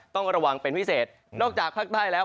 ต้องระวังเป็นพิเศษนอกจากภาคใต้แล้ว